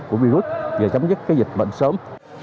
của virus và chấm dứt dịch bệnh sớm